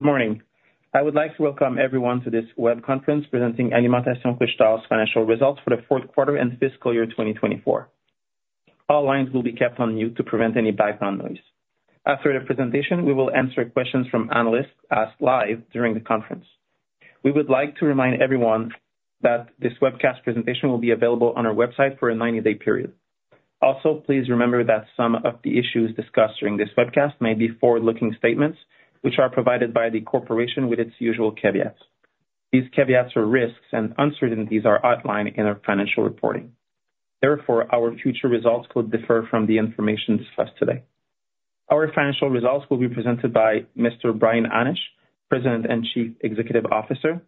Morning. I would like to welcome everyone to this web conference presenting Alimentation Couche-Tard's financial results for the fourth quarter and fiscal year 2024. All lines will be kept on mute to prevent any background noise. After the presentation, we will answer questions from analysts asked live during the conference. We would like to remind everyone that this webcast presentation will be available on our website for a 90-day period. Also, please remember that some of the issues discussed during this webcast may be forward-looking statements, which are provided by the corporation with its usual caveats. These caveats or risks and uncertainties are outlined in our financial reporting. Therefore, our future results could differ from the information discussed today. Our financial results will be presented by Mr. Brian Hannasch, President and Chief Executive Officer,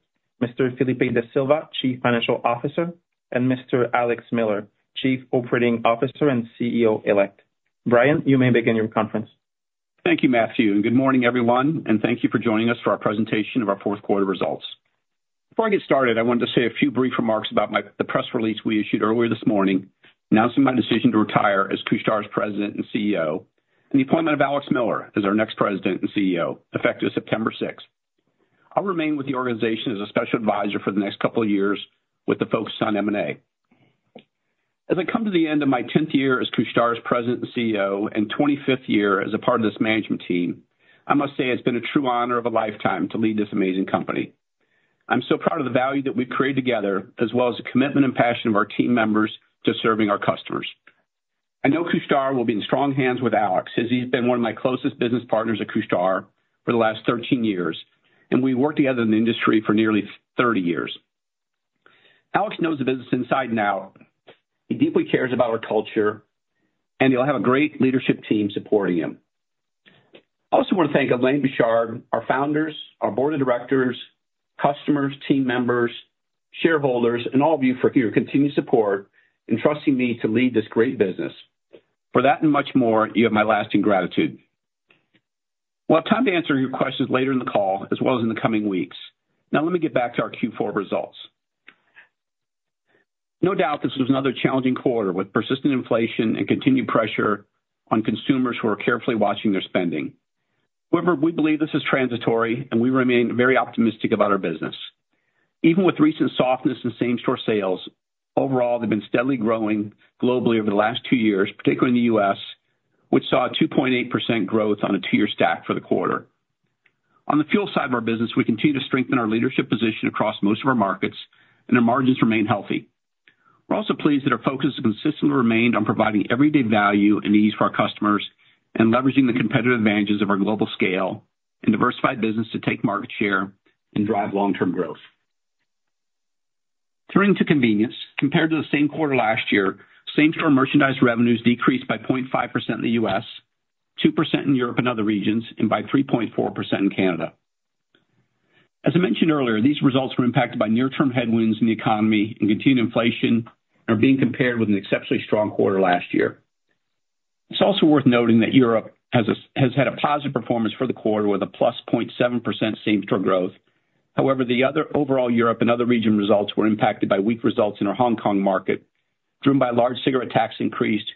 Mr. Felipe Da Silva, Chief Financial Officer, and Mr. Alex Miller, Chief Operating Officer and CEO-Elect. Brian, you may begin your conference. Thank you, Mathieu, and good morning, everyone, and thank you for joining us for our presentation of our fourth quarter results. Before I get started, I wanted to say a few brief remarks about the press release we issued earlier this morning, announcing my decision to retire as Couche-Tard's President and CEO, and the appointment of Alex Miller as our next President and CEO, effective September sixth. I'll remain with the organization as a special advisor for the next couple of years with the focus on M&A. As I come to the end of my 10th year as Couche-Tard's President and CEO, and 25th year as a part of this management team, I must say it's been a true honor of a lifetime to lead this amazing company. I'm so proud of the value that we've created together, as well as the commitment and passion of our team members to serving our customers. I know Couche-Tard will be in strong hands with Alex, as he's been one of my closest business partners at Couche-Tard for the last 13 years, and we worked together in the industry for nearly 30 years. Alex knows the business inside and out. He deeply cares about our culture, and he'll have a great leadership team supporting him. I also want to thank Alain Bouchard, our founders, our board of directors, customers, team members, shareholders, and all of you for your continued support in trusting me to lead this great business. For that and much more, you have my lasting gratitude. We'll have time to answer your questions later in the call, as well as in the coming weeks. Now, let me get back to our Q4 results. No doubt this was another challenging quarter, with persistent inflation and continued pressure on consumers who are carefully watching their spending. However, we believe this is transitory, and we remain very optimistic about our business. Even with recent softness in same-store sales, overall, they've been steadily growing globally over the last two years, particularly in the U.S., which saw a 2.8% growth on a two-year stack for the quarter. On the fuel side of our business, we continue to strengthen our leadership position across most of our markets, and our margins remain healthy. We're also pleased that our focus has consistently remained on providing everyday value and ease for our customers and leveraging the competitive advantages of our global scale and diversified business to take market share and drive long-term growth. Turning to convenience, compared to the same quarter last year, same-store merchandise revenues decreased by 0.5% in the U.S., 2% in Europe and other regions, and by 3.4% in Canada. As I mentioned earlier, these results were impacted by near-term headwinds in the economy and continued inflation, and are being compared with an exceptionally strong quarter last year. It's also worth noting that Europe has had a positive performance for the quarter, with a +0.7% same-store growth. However, overall Europe and other region results were impacted by weak results in our Hong Kong market, driven by large cigarette tax increases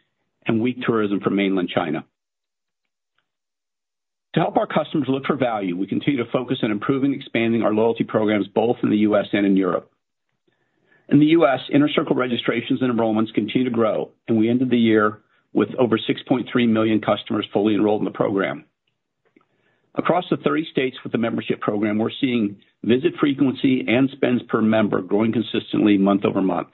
and weak tourism from mainland China. To help our customers look for value, we continue to focus on improving and expanding our loyalty programs, both in the U.S. and in Europe. In the U.S., Inner Circle registrations and enrollments continue to grow, and we ended the year with over 6.3 million customers fully enrolled in the program. Across the 30 states with the membership program, we're seeing visit frequency and spends per member growing consistently month-over-month.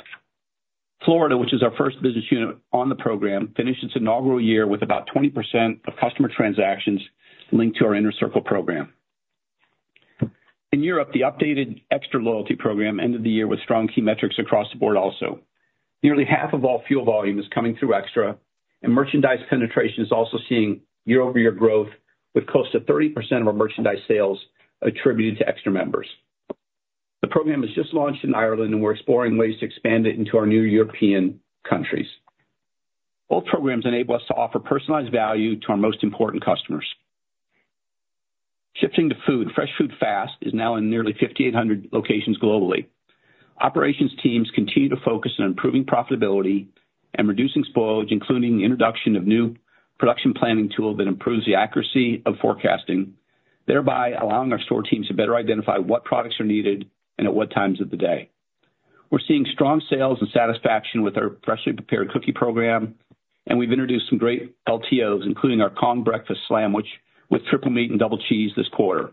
Florida, which is our first business unit on the program, finished its inaugural year with about 20% of customer transactions linked to our Inner Circle program. In Europe, the updated Extra loyalty program ended the year with strong key metrics across the board also. Nearly half of all fuel volume is coming through Extra, and merchandise penetration is also seeing year-over-year growth, with close to 30% of our merchandise sales attributed to Extra members. The program was just launched in Ireland, and we're exploring ways to expand it into our new European countries. Both programs enable us to offer personalized value to our most important customers. Shifting to food, Fresh Food, Fast is now in nearly 5,800 locations globally. Operations teams continue to focus on improving profitability and reducing spoilage, including the introduction of new production planning tool that improves the accuracy of forecasting, thereby allowing our store teams to better identify what products are needed and at what times of the day. We're seeing strong sales and satisfaction with our freshly prepared cookie program, and we've introduced some great LTOs, including our Kong Breakfast Sandwich, with triple meat and double cheese this quarter.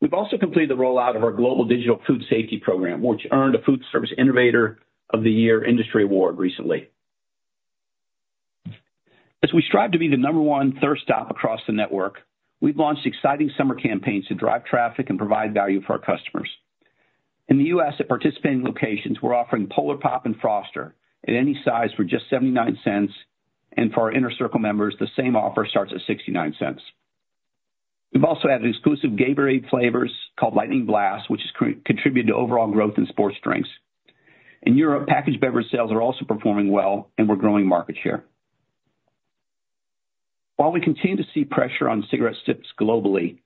We've also completed the rollout of our global digital food safety program, which earned a Foodservice Innovator of the Year industry award recently. As we strive to be the number one thirst stop across the network, we've launched exciting summer campaigns to drive traffic and provide value for our customers. In the U.S., at participating locations, we're offering Polar Pop and Froster at any size for just $0.79, and for our Inner Circle members, the same offer starts at $0.69. We've also added exclusive Gatorade flavors called Lightning Blast, which has contributed to overall growth in sports drinks. In Europe, packaged beverage sales are also performing well, and we're growing market share. While we continue to see pressure on cigarette sticks globally,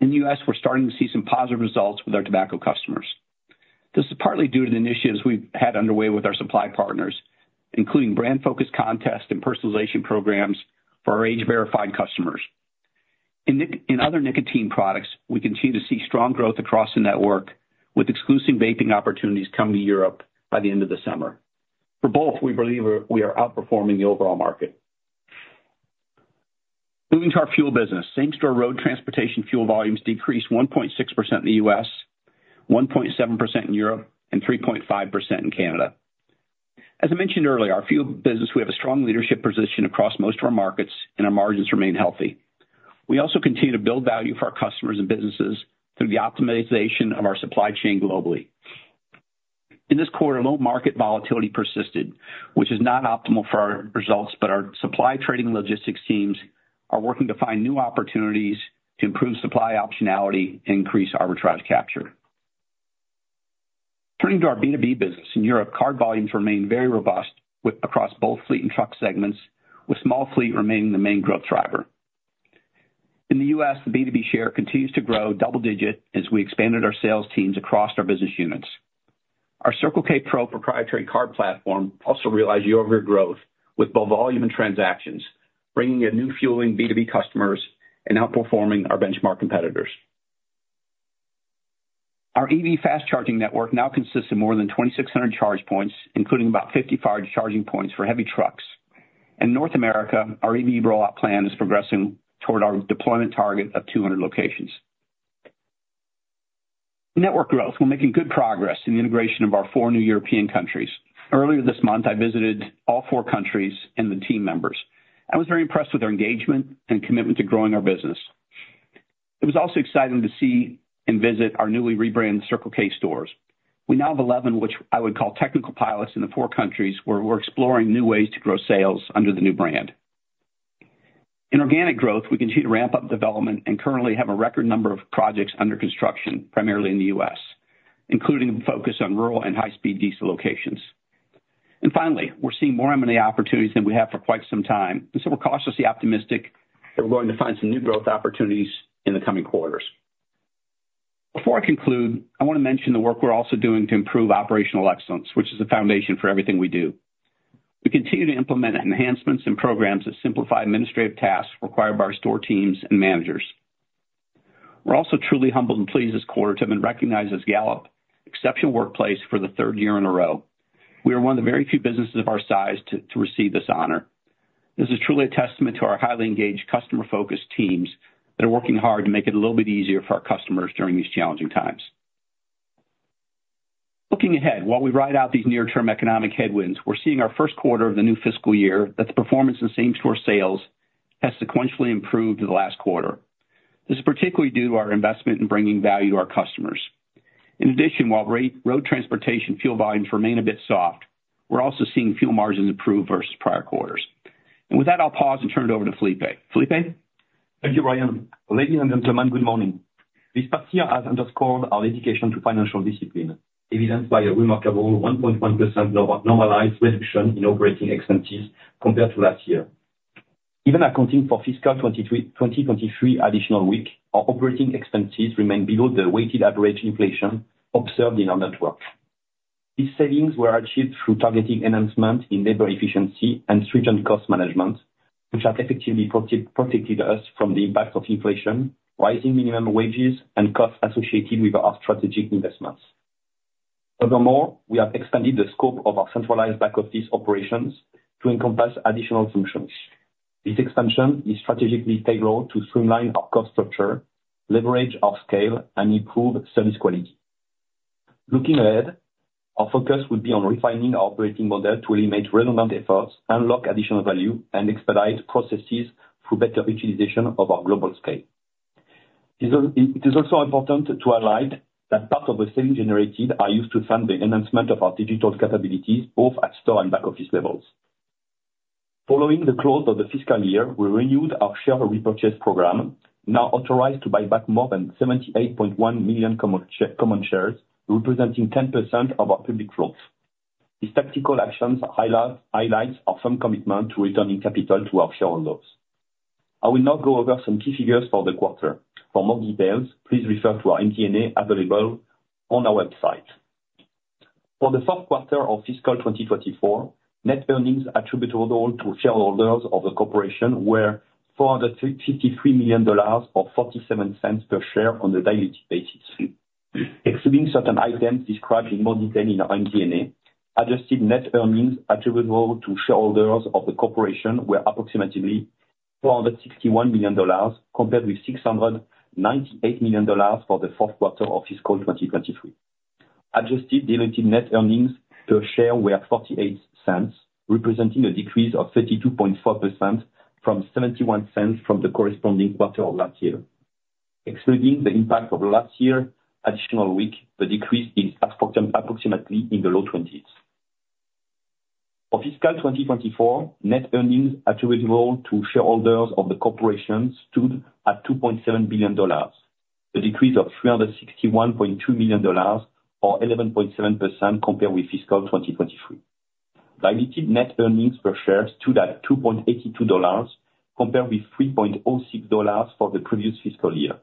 in the U.S., we're starting to see some positive results with our tobacco customers.... partly due to the initiatives we've had underway with our supply partners, including brand-focused contests and personalization programs for our age-verified customers. In other nicotine products, we continue to see strong growth across the network, with exclusive vaping opportunities coming to Europe by the end of the summer. For both, we believe we are outperforming the overall market. Moving to our fuel business. Same-store road transportation fuel volumes decreased 1.6% in the U.S., 1.7% in Europe, and 3.5% in Canada. As I mentioned earlier, our fuel business, we have a strong leadership position across most of our markets, and our margins remain healthy. We also continue to build value for our customers and businesses through the optimization of our supply chain globally. In this quarter, low market volatility persisted, which is not optimal for our results, but our supply trading logistics teams are working to find new opportunities to improve supply optionality and increase arbitrage capture. Turning to our B2B business, in Europe, card volumes remain very robust with across both fleet and truck segments, with small fleet remaining the main growth driver. In the U.S., the B2B share continues to grow double-digit as we expanded our sales teams across our business units. Our Circle K Pro proprietary card platform also realized year-over-year growth with both volume and transactions, bringing in new fueling B2B customers and outperforming our benchmark competitors. Our EV fast charging network now consists of more than 2,600 charge points, including about 55 charging points for heavy trucks. In North America, our EV rollout plan is progressing toward our deployment target of 200 locations. Network growth. We're making good progress in the integration of our four new European countries. Earlier this month, I visited all four countries and the team members. I was very impressed with their engagement and commitment to growing our business. It was also exciting to see and visit our newly rebranded Circle K stores. We now have 11, which I would call technical pilots in the four countries, where we're exploring new ways to grow sales under the new brand. In organic growth, we continue to ramp up development and currently have a record number of projects under construction, primarily in the U.S., including a focus on rural and high-speed diesel locations. Finally, we're seeing more M&A opportunities than we have for quite some time, and so we're cautiously optimistic that we're going to find some new growth opportunities in the coming quarters. Before I conclude, I wanna mention the work we're also doing to improve operational excellence, which is the foundation for everything we do. We continue to implement enhancements and programs that simplify administrative tasks required by our store teams and managers. We're also truly humbled and pleased this quarter to have been recognized as Gallup Exceptional Workplace for the third year in a row. We are one of the very few businesses of our size to receive this honor. This is truly a testament to our highly engaged, customer-focused teams that are working hard to make it a little bit easier for our customers during these challenging times. Looking ahead, while we ride out these near-term economic headwinds, we're seeing our first quarter of the new fiscal year that the performance in same-store sales has sequentially improved in the last quarter. This is particularly due to our investment in bringing value to our customers. In addition, while road transportation fuel volumes remain a bit soft, we're also seeing fuel margins improve versus prior quarters. And with that, I'll pause and turn it over to Felipe. Felipe? Thank you, Brian. Ladies and gentlemen, good morning. This past year has underscored our dedication to financial discipline, evidenced by a remarkable 1.1% normalized reduction in operating expenses compared to last year. Even accounting for fiscal 2023, 2023 additional week, our operating expenses remain below the weighted average inflation observed in our network. These savings were achieved through targeting enhancement in labor efficiency and stringent cost management, which have effectively protected us from the impact of inflation, rising minimum wages, and costs associated with our strategic investments. Furthermore, we have expanded the scope of our centralized back-office operations to encompass additional functions. This expansion is strategically tailored to streamline our cost structure, leverage our scale, and improve service quality. Looking ahead, our focus will be on refining our operating model to eliminate redundant efforts, unlock additional value, and expedite processes through better utilization of our global scale. It is also important to highlight that part of the savings generated are used to fund the enhancement of our digital capabilities, both at store and back-office levels. Following the close of the fiscal year, we renewed our share repurchase program, now authorized to buy back more than 78.1 million common shares, representing 10% of our public float. These tactical actions highlights our firm commitment to returning capital to our shareholders. I will now go over some key figures for the quarter. For more details, please refer to our MD&A available on our website. For the fourth quarter of fiscal 2024, net earnings attributable to shareholders of the corporation were $453 million, or 47 cents per share on a diluted basis. Excluding certain items described in more detail in our MD&A, adjusted net earnings attributable to shareholders of the corporation were approximately $461 million, compared with $698 million for the fourth quarter of fiscal 2023. Adjusted diluted net earnings per share were 48 cents, representing a decrease of 32.4% from 71 cents from the corresponding quarter of last year. Excluding the impact of last year additional week, the decrease is approximately in the low 20s. For fiscal 2024, net earnings attributable to shareholders of the corporation stood at $2.7 billion, a decrease of $361.2 million, or 11.7% compared with fiscal 2023. Diluted net earnings per share stood at $2.82, compared with $3.06 for the previous fiscal year.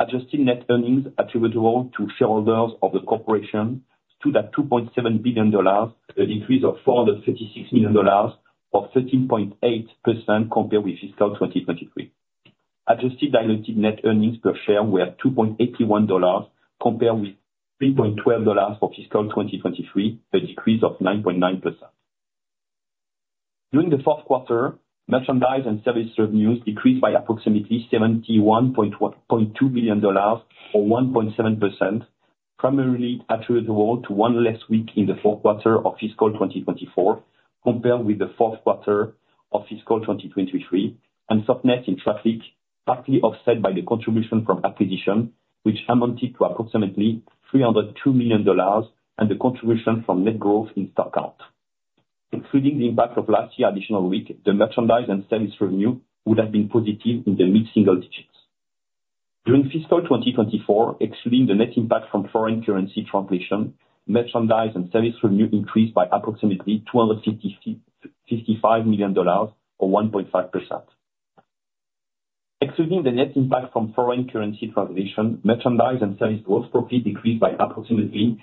Adjusted net earnings attributable to shareholders of the corporation stood at $2.7 billion, a decrease of $436 million, or 13.8% compared with fiscal 2023. Adjusted diluted net earnings per share were at $2.81, compared with $3.12 for fiscal 2023, a decrease of 9.9%. During the fourth quarter, merchandise and service revenues decreased by approximately $71.2 billion, or 1.7%, primarily attributable to 1 less week in the fourth quarter of fiscal 2024, compared with the fourth quarter of fiscal 2023, and softness in traffic, partly offset by the contribution from acquisition, which amounted to approximately $302 million, and the contribution from net growth in stock count. Including the impact of last year additional week, the merchandise and service revenue would have been positive in the mid-single digits. During fiscal 2024, excluding the net impact from foreign currency translation, merchandise and service revenue increased by approximately $255 million, or 1.5%. Excluding the net impact from foreign currency translation, merchandise and service gross profit decreased by approximately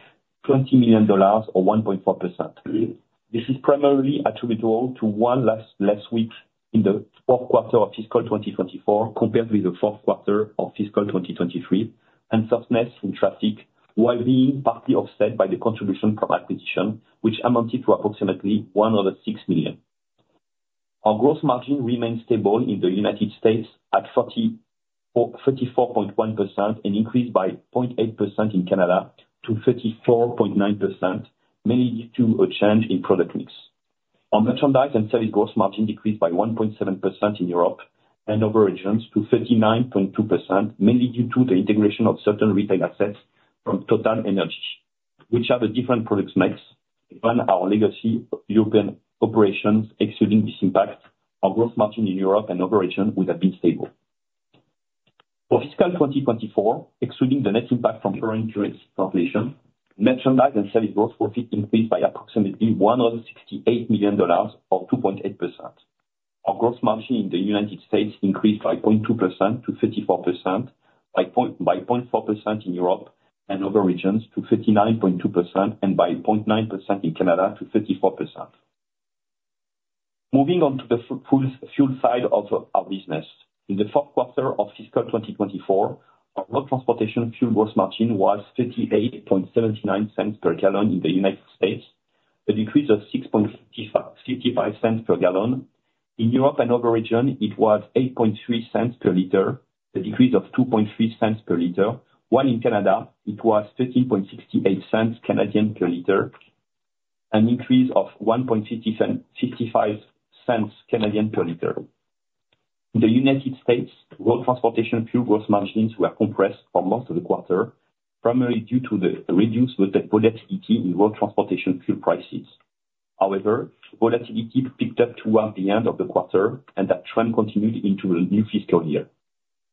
$20 million, or 1.4%. This is primarily attributable to one less week in the fourth quarter of fiscal 2024, compared with the fourth quarter of fiscal 2023, and softness in traffic, while being partly offset by the contribution from acquisition, which amounted to approximately $106 million. Our gross margin remained stable in the United States at 34.1%, and increased by 0.8% in Canada to 34.9%, mainly due to a change in product mix. Our merchandise and service gross margin decreased by 1.7% in Europe and other regions to 39.2%, mainly due to the integration of certain retail assets from TotalEnergies, which have a different product mix than our legacy European operations. Excluding this impact, our gross margin in Europe and other regions would have been stable. For fiscal 2024, excluding the net impact from foreign currency translation, merchandise and service gross profit increased by approximately $168 million, or 2.8%. Our gross margin in the United States increased by 0.2% to 34%, by 0.4% in Europe and other regions to 39.2%, and by 0.9% in Canada to 34%. Moving on to the fuels, fuel side of our business. In the fourth quarter of fiscal 2024, our road transportation fuel gross margin was $0.5879 per gallon in the United States, a decrease of $0.0655 per gallon. In Europe and other region, it was €0.083 per liter, a decrease of €0.023 per liter, while in Canada it was 0.1368 per liter, an increase of 0.0165 per liter. In the United States, road transportation fuel gross margins were compressed for most of the quarter, primarily due to the reduced volatility in road transportation fuel prices. However, volatility picked up towards the end of the quarter, and that trend continued into the new fiscal year.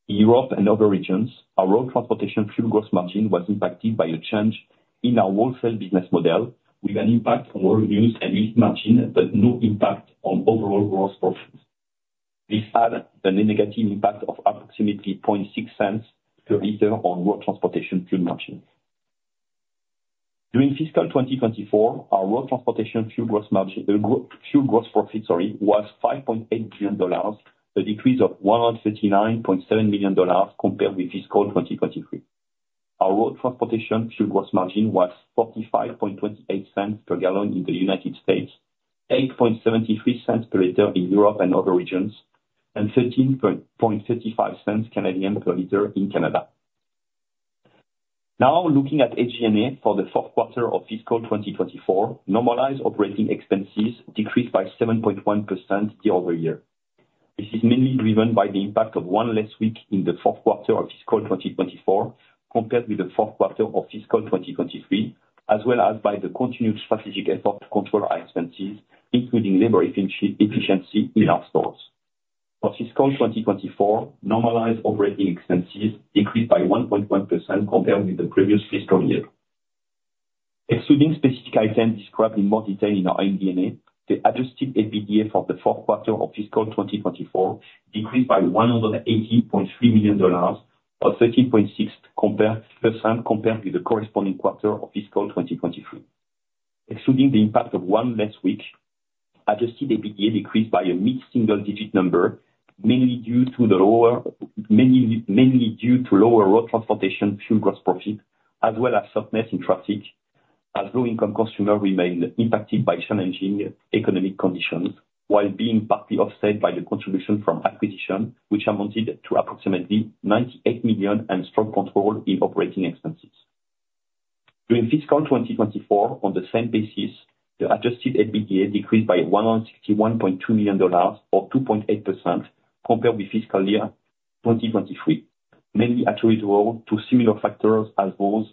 In Europe and other regions, our road transportation fuel gross margin was impacted by a change in our wholesale business model, with an impact on our revenues and margin, but no impact on overall gross profits. This had a negative impact of approximately 0.6 cents per liter on road transportation fuel margins. During fiscal 2024, our road transportation fuel gross margin, fuel gross profit, sorry, was $5.8 billion, a decrease of $139.7 million compared with fiscal 2023. Our road transportation fuel gross margin was $0.4528 per gallon in the United States, 0.0873 per liter in Europe and other regions, and 0.1335 per liter in Canada. Now, looking at SG&A for the fourth quarter of fiscal 2024, normalized operating expenses decreased by 7.1% year-over-year. This is mainly driven by the impact of one less week in the fourth quarter of fiscal 2024, compared with the fourth quarter of fiscal 2023, as well as by the continued strategic effort to control our expenses, including labor efficiency in our stores. For fiscal 2024, normalized operating expenses increased by 1.1% compared with the previous fiscal year. Excluding specific items described in more detail in our MD&A, the adjusted EBITDA for the fourth quarter of fiscal 2024 decreased by $180.3 million, or 13.6%, compared with the corresponding quarter of fiscal 2023. Excluding the impact of one less week, adjusted EBITDA decreased by a mid-single-digit number, mainly due to lower road transportation fuel gross profit, as well as softness in traffic, as low-income consumers remain impacted by challenging economic conditions, while being partly offset by the contribution from acquisition, which amounted to approximately $98 million, and strong control in operating expenses. During fiscal 2024, on the same basis, the adjusted EBITDA decreased by $161.2 million, or 2.8%, compared with fiscal year 2023, mainly attributable to similar factors as those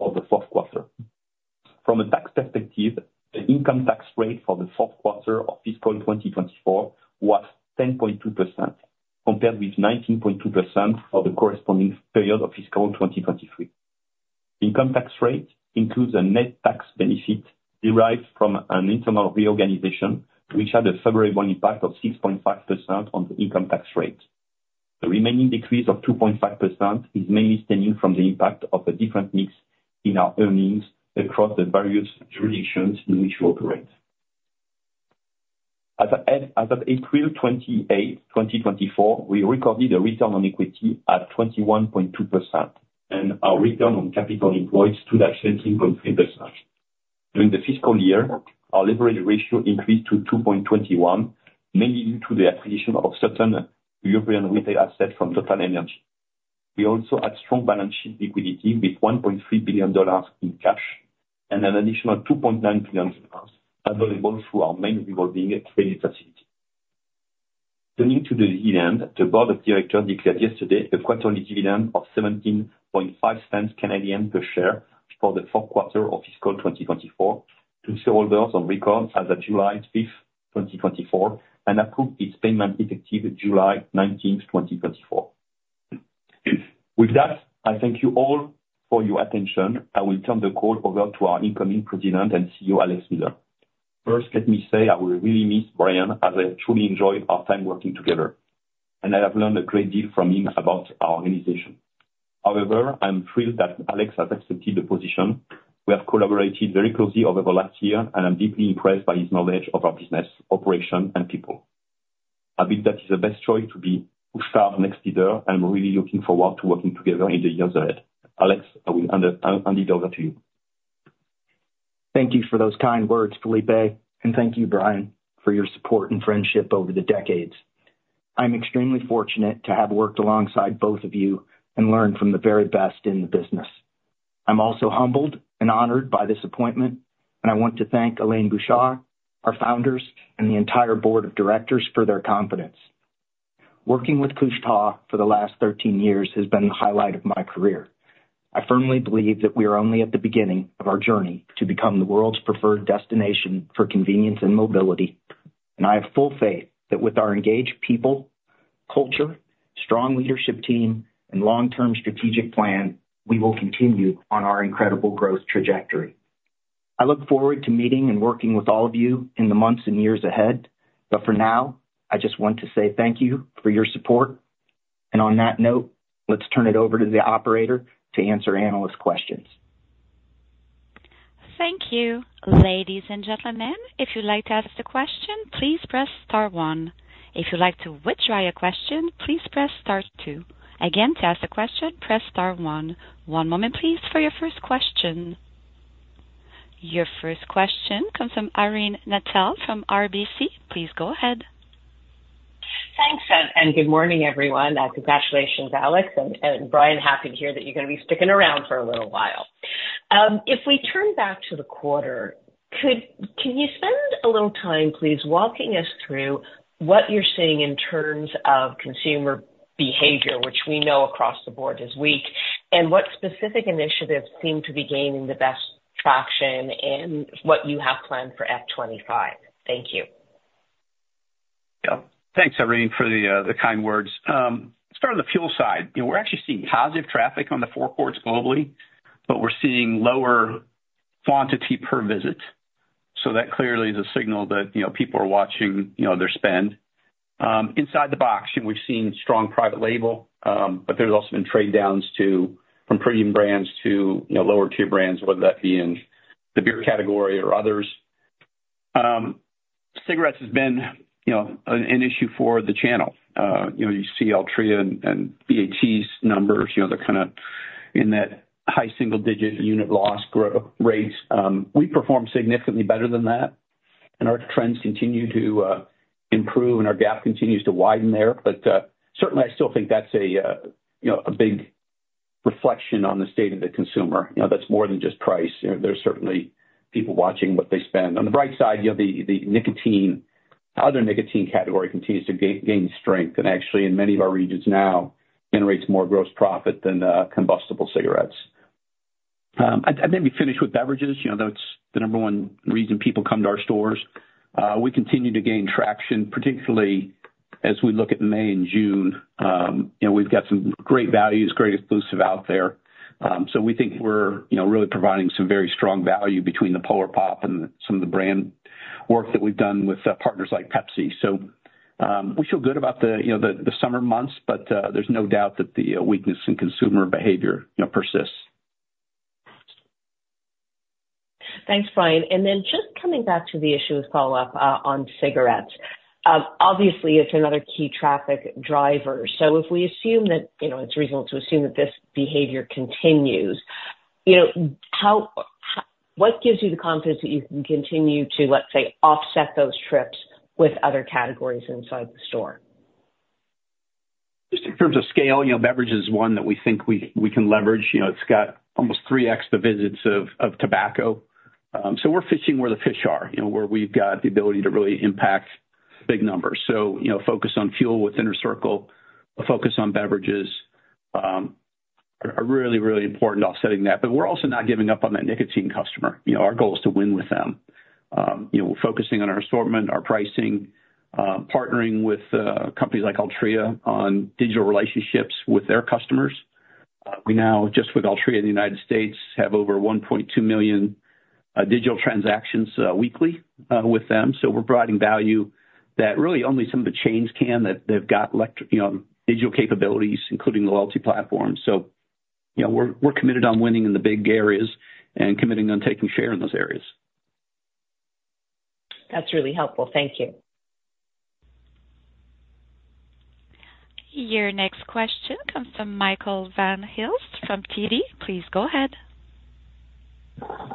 of the fourth quarter. From a tax perspective, the income tax rate for the fourth quarter of fiscal 2024 was 10.2%, compared with 19.2% for the corresponding period of fiscal 2023. Income tax rate includes a net tax benefit derived from an internal reorganization, which had a favorable impact of 6.5% on the income tax rate. The remaining decrease of 2.5% is mainly stemming from the impact of a different mix in our earnings across the various jurisdictions in which we operate. As of April 28, 2024, we recorded a Return on Equity at 21.2%, and our Return on Capital Employed stood at 17.3%. During the fiscal year, our leverage ratio increased to 2.21, mainly due to the acquisition of certain European retail assets from TotalEnergies. We also had strong balance sheet liquidity, with $1.3 billion in cash and an additional $2.9 billion available through our main revolving credit facility. Turning to the dividend, the board of directors declared yesterday a quarterly dividend of 0.175 per share for the fourth quarter of fiscal 2024 to shareholders on record as of July 5, 2024, and approved its payment effective July 19, 2024. With that, I thank you all for your attention. I will turn the call over to our incoming President and CEO, Alex Miller. First, let me say, I will really miss Brian, as I truly enjoyed our time working together, and I have learned a great deal from him about our organization. However, I'm thrilled that Alex has accepted the position. We have collaborated very closely over the last year, and I'm deeply impressed by his knowledge of our business, operation, and people. I believe that he's the best choice to be Couche-Tard next leader, and I'm really looking forward to working together in the years ahead. Alex, I will hand it, hand it over to you. Thank you for those kind words, Felipe, and thank you, Brian, for your support and friendship over the decades. I'm extremely fortunate to have worked alongside both of you and learned from the very best in the business. I'm also humbled and honored by this appointment, and I want to thank Alain Bouchard, our founders, and the entire board of directors for their confidence. Working with Couche-Tard for the last 13 years has been the highlight of my career. I firmly believe that we are only at the beginning of our journey to become the world's preferred destination for convenience and mobility, and I have full faith that with our engaged people, culture, strong leadership team, and long-term strategic plan, we will continue on our incredible growth trajectory.I look forward to meeting and working with all of you in the months and years ahead, but for now, I just want to say thank you for your support. On that note, let's turn it over to the operator to answer analyst questions. Thank you. Ladies and gentlemen, if you'd like to ask a question, please press star one. If you'd like to withdraw your question, please press star two. Again, to ask a question, press star one. One moment, please, for your first question. Your first question comes from Irene Nattel from RBC. Please go ahead. Thanks, and good morning, everyone, and congratulations, Alex and Brian, happy to hear that you're gonna be sticking around for a little while. If we turn back to the quarter, could you spend a little time, please, walking us through what you're seeing in terms of consumer behavior, which we know across the board is weak, and what specific initiatives seem to be gaining the best traction, and what you have planned for F 25? Thank you. Yeah. Thanks, Irene, for the kind words. Let's start on the fuel side. You know, we're actually seeing positive traffic on the four quarters globally, but we're seeing lower quantity per visit. So that clearly is a signal that, you know, people are watching, you know, their spend. Inside the box, you know, we've seen strong private label, but there's also been trade downs, too, from premium brands to, you know, lower tier brands, whether that be in the beer category or others. Cigarettes has been, you know, an issue for the channel. You know, you see Altria and BAT's numbers, you know, they're kind of in that high single digit unit loss growth rate. We performed significantly better than that, and our trends continue to improve, and our gap continues to widen there. But certainly I still think that's a you know, a big reflection on the state of the consumer. You know, that's more than just price. You know, there's certainly people watching what they spend. On the bright side, you know, the nicotine, other nicotine category continues to gain strength, and actually in many of our regions now, generates more gross profit than combustible cigarettes. I maybe finish with beverages. You know, that's the number one reason people come to our stores. We continue to gain traction, particularly as we look at May and June. You know, we've got some great values, great exclusive out there. So we think we're you know, really providing some very strong value between the Polar Pop and some of the brand work that we've done with partners like Pepsi. So, we feel good about the, you know, the summer months, but, there's no doubt that the weakness in consumer behavior, you know, persists. Thanks, Brian. Then just coming back to the issue with follow-up on cigarettes, obviously it's another key traffic driver. So if we assume that, you know, it's reasonable to assume that this behavior continues, you know, what gives you the confidence that you can continue to, let's say, offset those trips with other categories inside the store? Just in terms of scale, you know, beverage is one that we think we can leverage. You know, it's got almost three extra visits of tobacco. So we're fishing where the fish are, you know, where we've got the ability to really impact big numbers. So, you know, focus on fuel with Inner Circle, a focus on beverages are really, really important to offsetting that. But we're also not giving up on that nicotine customer. You know, our goal is to win with them. You know, we're focusing on our assortment, our pricing, partnering with companies like Altria on digital relationships with their customers. We now, just with Altria in the United States, have over 1.2 million digital transactions weekly with them. So we're providing value that really only some of the chains can, that they've got, you know, digital capabilities, including the loyalty platform. So, you know, we're, we're committed on winning in the big areas and committing on taking share in those areas. That's really helpful. Thank you. Your next question comes from Michael Van Aelst from TD. Please go ahead.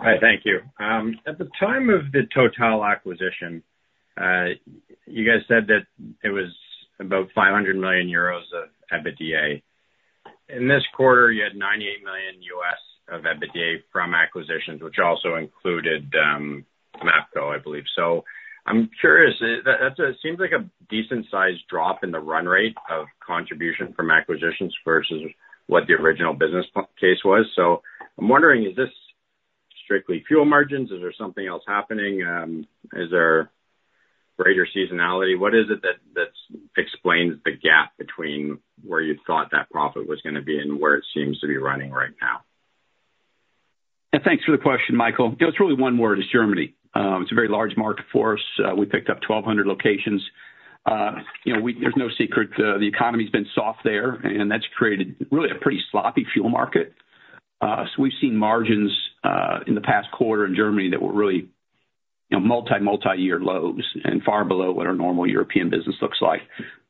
Hi, thank you. At the time of the Total acquisition, you guys said that it was about 500 million euros of EBITDA. In this quarter, you had $98 million of EBITDA from acquisitions, which also included, MAPCO, I believe. So I'm curious, that, that seems like a decent sized drop in the run rate of contribution from acquisitions versus what the original business p- case was. So I'm wondering, is this strictly fuel margins? Is there something else happening? Is there greater seasonality? What is it that, that explains the gap between where you thought that profit was gonna be and where it seems to be running right now? Yeah, thanks for the question, Michael. You know, it's really one word: it's Germany. It's a very large market for us. We picked up 1,200 locations. You know, there's no secret, the economy's been soft there, and that's created really a pretty sloppy fuel market. So we've seen margins in the past quarter in Germany that were really, you know, multi-year lows and far below what our normal European business looks like.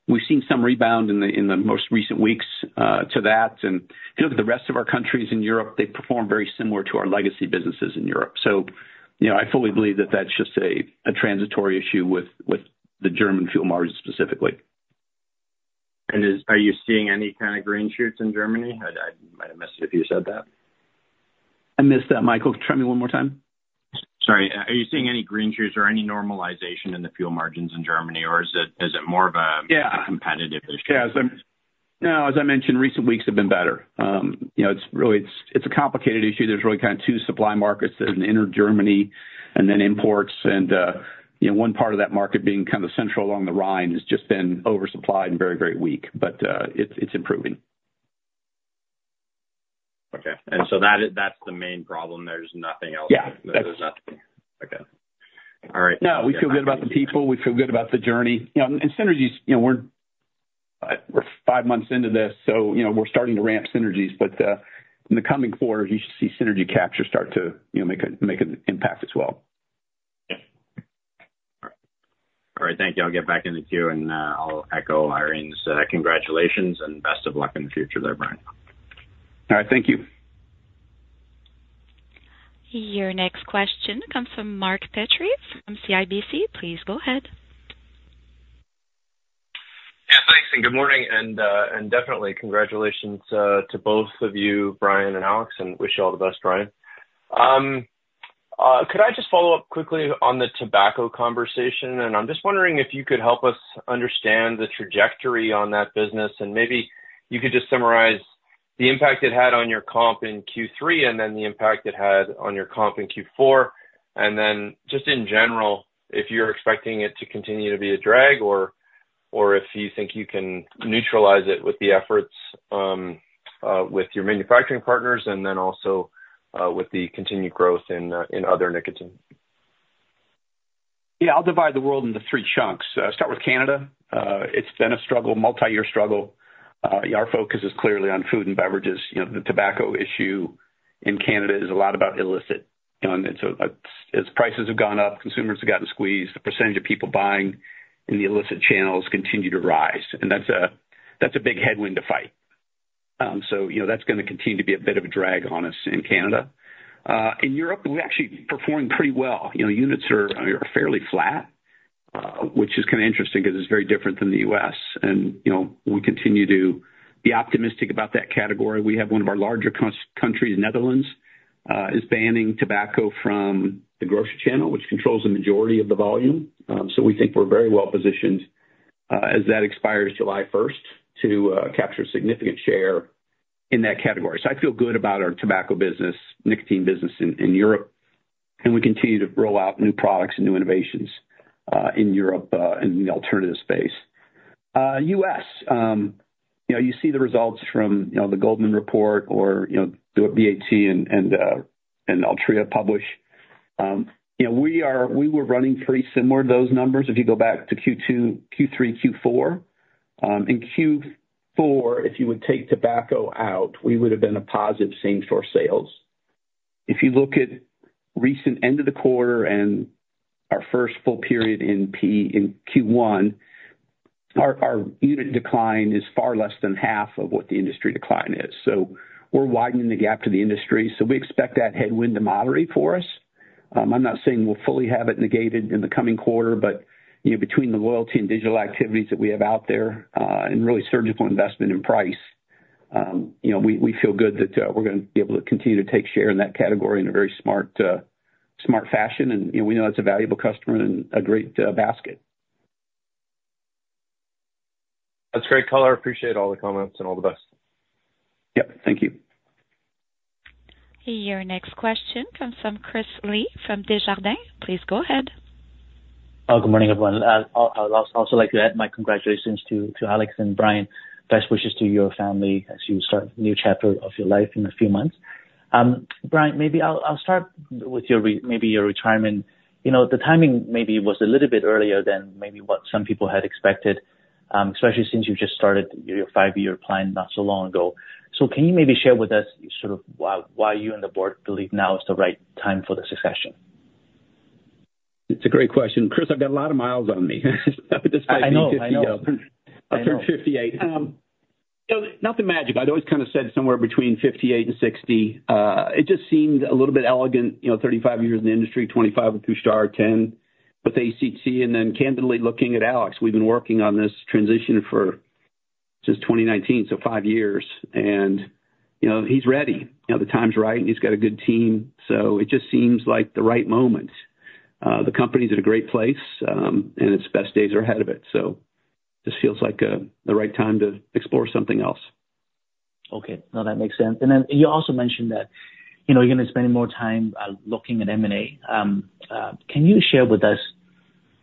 We've seen some rebound in the most recent weeks to that. And if you look at the rest of our countries in Europe, they perform very similar to our legacy businesses in Europe. So, you know, I fully believe that that's just a transitory issue with the German fuel margins specifically. Are you seeing any kind of green shoots in Germany? I might have missed it if you said that. I missed that, Michael. Try me one more time. Sorry. Are you seeing any green shoots or any normalization in the fuel margins in Germany, or is it, is it more of a- Yeah. -competitive issue? Yeah, no, as I mentioned, recent weeks have been better. You know, it's really a complicated issue. There's really kind of two supply markets. There's an inner Germany and then imports, and, you know, one part of that market being kind of central along the Rhine has just been oversupplied and very, very weak, but it's improving. Okay. And so that's the main problem. There's nothing else. Yeah. There's nothing. Okay. All right. No, we feel good about the people. We feel good about the journey. You know, and synergies, you know, we're five months into this, so, you know, we're starting to ramp synergies, but, in the coming quarters, you should see synergy capture start to, you know, make an impact as well. Yeah. All right. All right, thank you. I'll get back in the queue, and I'll echo Irene's congratulations and best of luck in the future there, Brian. All right, thank you. Your next question comes from Mark Petrie from CIBC. Please go ahead. Yeah, thanks, and good morning, and definitely congratulations to both of you, Brian and Alex, and wish you all the best, Brian. Could I just follow up quickly on the tobacco conversation? I'm just wondering if you could help us understand the trajectory on that business, and maybe you could just summarize the impact it had on your comp in Q3, and then the impact it had on your comp in Q4. Then, just in general, if you're expecting it to continue to be a drag or if you think you can neutralize it with the efforts with your manufacturing partners, and then also with the continued growth in in other nicotine. Yeah, I'll divide the world into three chunks. Start with Canada. It's been a struggle, multi-year struggle. Our focus is clearly on food and beverages. You know, the tobacco issue in Canada is a lot about illicit. And so, as prices have gone up, consumers have gotten squeezed. The percentage of people buying in the illicit channels continue to rise, and that's a big headwind to fight. So, you know, that's gonna continue to be a bit of a drag on us in Canada. In Europe, we actually performed pretty well. You know, units are fairly flat, which is kinda interesting because it's very different than the US, and, you know, we continue to be optimistic about that category. We have one of our larger countries, Netherlands, is banning tobacco from the grocery channel, which controls the majority of the volume. So we think we're very well positioned as that expires July first to capture a significant share in that category. So I feel good about our tobacco business, nicotine business in Europe, and we continue to roll out new products and new innovations in Europe in the alternative space. U.S., you know, you see the results from, you know, the Goldman report or, you know, BAT and Altria publish. You know, we were running pretty similar to those numbers if you go back to Q2, Q3, Q4. In Q4, if you would take tobacco out, we would have been a positive same-store sales. If you look at recent end of the quarter and our first full period in Q1, our unit decline is far less than half of what the industry decline is. So we're widening the gap to the industry, so we expect that headwind to moderate for us. I'm not saying we'll fully have it negated in the coming quarter, but, you know, between the loyalty and digital activities that we have out there, and really surgical investment in price, you know, we feel good that we're gonna be able to continue to take share in that category in a very smart, smart fashion. And, you know, we know that's a valuable customer and a great basket. That's great color. I appreciate all the comments, and all the best. Yep, thank you. Your next question comes from Chris Li from Desjardins. Please go ahead. Oh, good morning, everyone. I'll also like to add my congratulations to Alex and Brian. Best wishes to your family as you start a new chapter of your life in a few months. Brian, maybe I'll start with your retirement. You know, the timing maybe was a little bit earlier than maybe what some people had expected, especially since you just started your five-year plan not so long ago. So can you maybe share with us sort of why you and the board believe now is the right time for the succession? It's a great question, Chris. I've got a lot of miles on me. I know, I know. I turned 58. So nothing magic. I'd always kind of said somewhere between 58 and 60. It just seemed a little bit elegant, you know, 35 years in the industry, 25 with Couche-Tard, 10 with the ACT. And then candidly looking at Alex, we've been working on this transition for since 2019, so five years. And, you know, he's ready. You know, the time's right, and he's got a good team, so it just seems like the right moment. The company's at a great place, and its best days are ahead of it, so just feels like the right time to explore something else. Okay. No, that makes sense. And then you also mentioned that, you know, you're gonna spend more time looking at M&A. Can you share with us,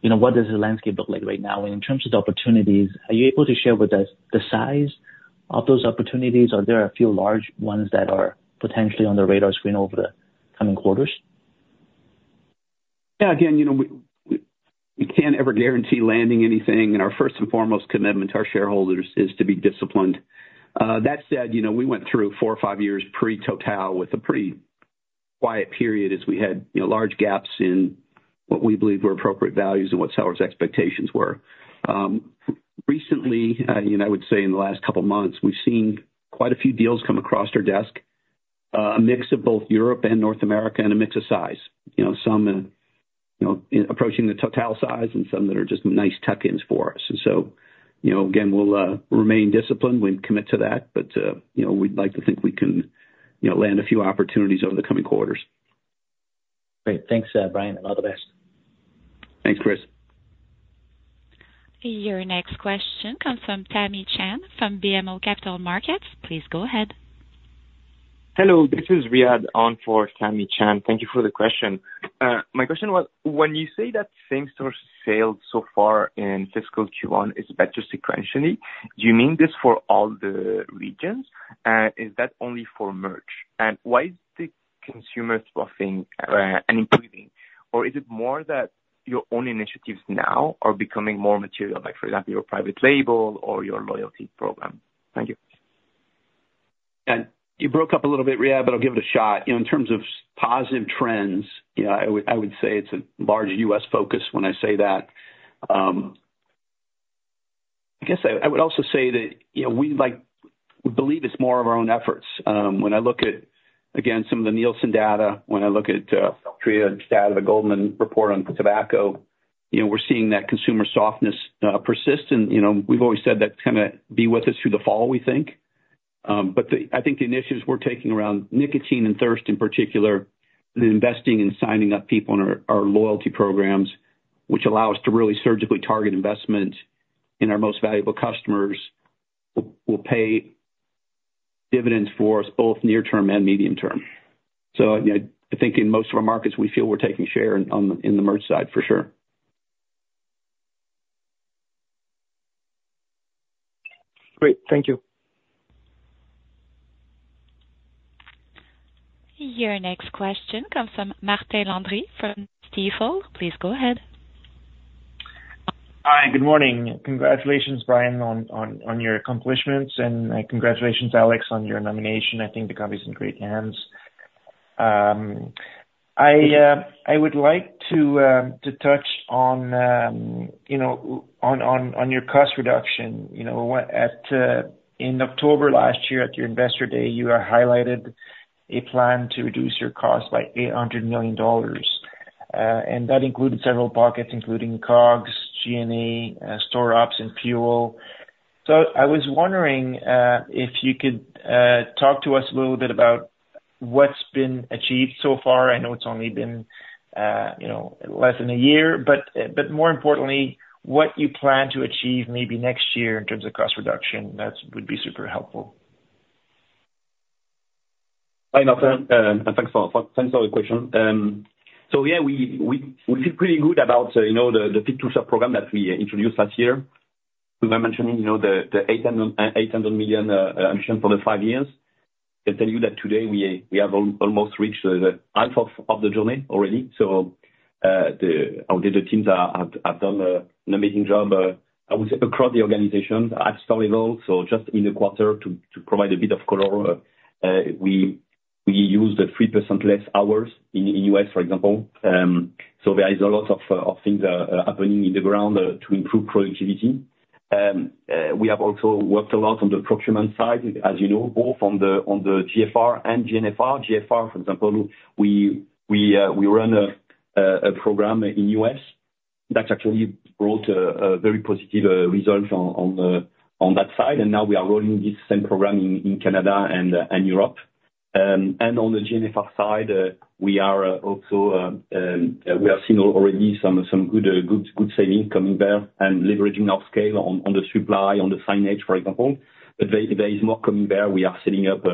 you know, what does the landscape look like right now in terms of the opportunities? Are you able to share with us the size of those opportunities, or there are a few large ones that are potentially on the radar screen over the coming quarters? Yeah, again, you know, we can't ever guarantee landing anything, and our first and foremost commitment to our shareholders is to be disciplined. That said, you know, we went through four or five years pre Total with a pretty quiet period as we had, you know, large gaps in what we believe were appropriate values and what sellers' expectations were. Recently, you know, I would say in the last couple months, we've seen quite a few deals come across our desk, a mix of both Europe and North America, and a mix of size. You know, some, you know, approaching the Total size and some that are just nice tuck-ins for us. And so, you know, again, we'll remain disciplined. We commit to that, but, you know, we'd like to think we can, you know, land a few opportunities over the coming quarters. Great. Thanks, Brian, and all the best. Thanks, Chris. Your next question comes from Tamy Chen from BMO Capital Markets. Please go ahead. Hello, this is Riad on for Tamy Chen. Thank you for the question. My question was, when you say that same-store sales so far in fiscal Q1 is better sequentially, do you mean this for all the regions, is that only for merch? And why is the consumer softening and improving, or is it more that your own initiatives now are becoming more material, like, for example, your private label or your loyalty program? Thank you. You broke up a little bit, Riad, but I'll give it a shot. You know, in terms of positive trends, you know, I would say it's a large U.S. focus when I say that. I guess I would also say that, you know, we like... believe it's more of our own efforts. When I look at, again, some of the Nielsen data, when I look at, Altria data, the Goldman report on tobacco, you know, we're seeing that consumer softness persist. You know, we've always said that's gonna be with us through the fall, we think. But the initiatives we're taking around nicotine and thirst, in particular, the investing and signing up people in our loyalty programs, which allow us to really surgically target investment in our most valuable customers, will pay dividends for us, both near term and medium term. So, you know, I think in most of our markets, we feel we're taking share on in the merch side for sure. Great. Thank you. Your next question comes from Martin Landry from Stifel. Please go ahead. Hi, good morning. Congratulations, Brian, on your accomplishments, and congratulations, Alex, on your nomination. I think the company's in great hands. I would like to touch on, you know, your cost reduction. You know, in October last year at your Investor Day, you highlighted a plan to reduce your cost by $800 million, and that included several pockets, including COGS, G&A, store ops, and fuel. So I was wondering if you could talk to us a little bit about what's been achieved so far. I know it's only been, you know, less than a year, but more importantly, what you plan to achieve maybe next year in terms of cost reduction, that would be super helpful. Hi, Martin, and thanks for the question. So yeah, we feel pretty good about, you know, the program that we introduced last year. We were mentioning, you know, the $800 million ambition for the 5 years. I tell you that today we have almost reached the half of the journey already. So, I would say the teams have done an amazing job, I would say across the organization at store level. So just in the quarter, to provide a bit of color, we used 3% less hours in U.S., for example. So there is a lot of things happening on the ground to improve productivity. We have also worked a lot on the procurement side, as you know, both on the GFR and GNFR. GFR, for example, we run a program in U.S. that actually brought a very positive results on that side, and now we are rolling this same program in Canada and Europe. And on the GNFR side, we are also we have seen already some good savings coming there and leveraging our scale on the supply, on the signage, for example. But there is more coming there. We are setting up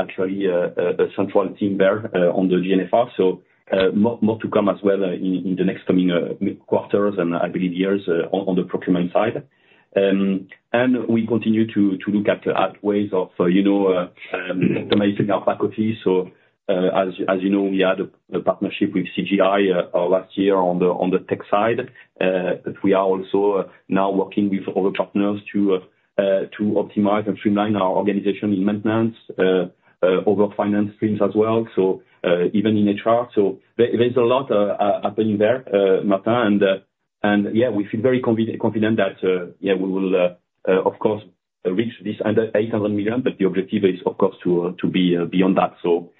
actually a central team there on the GNFR. So, more to come as well in the next coming quarters, and I believe years on the procurement side. And we continue to look at ways of, you know, optimizing our back office. So, as you know, we had a partnership with CGI last year on the tech side. But we are also now working with other partners to optimize and streamline our organization in maintenance over finance streams as well, so even in HR. So there, there's a lot happening there, Martin, and yeah, we feel very confident that yeah, we will of course reach this under 800 million, but the objective is of course to be beyond that. So